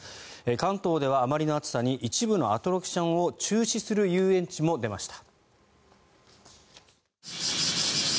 関東ではあまりの暑さに一部のアトラクションを中止する遊園地も出ました。